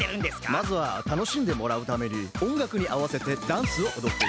まずはたのしんでもらうためにおんがくにあわせてダンスをおどっています。